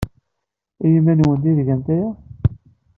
I yiman-nwent ay tgamt aya?